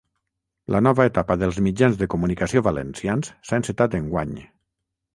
La nova etapa dels mitjans de comunicació valencians s’ha encetat enguany.